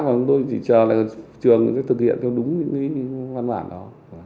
và chúng tôi chỉ chờ là trường thực hiện theo đúng những văn bản đó